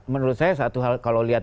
menurut saya satu hal kalau lihat